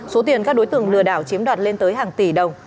số tiền các đối tượng lừa đảo chiếm đoạt lên tới hàng tỷ đồng